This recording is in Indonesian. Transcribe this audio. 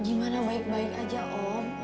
gimana baik baik aja om